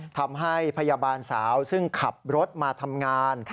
ทำให้พยาบาลสาวซึ่งขับรถมาทำงาน